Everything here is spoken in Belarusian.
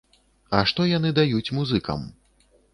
А што яны даюць музыкам?